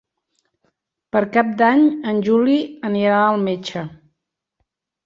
Per Cap d'Any en Juli anirà al metge.